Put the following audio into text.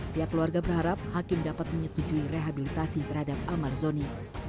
pihak keluarga berharap hakim dapat menyetujui rehabilitasi terhadap almarzoni